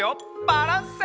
バランス！